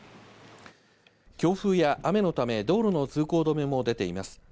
強風や雨のため道路の通行止めも出ています。